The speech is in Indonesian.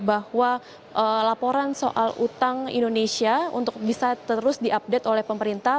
bahwa laporan soal utang indonesia untuk bisa terus diupdate oleh pemerintah